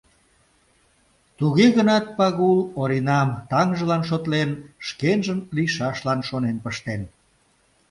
Туге гынат, Пагул Оринам таҥжылан шотлен, шкенжын лийшашлан шонен пыштен.